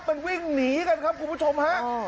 มันวิ่งหนีกันครับคุณผู้ชมฮะ